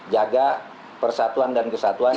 jaga persatuan dan kesatuan